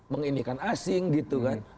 menginikan asing gitu kan